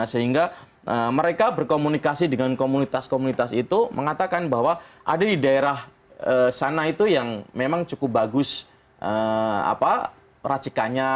sehingga mereka berkomunikasi dengan komunitas komunitas itu mengatakan bahwa ada di daerah sana itu yang memang cukup bagus racikannya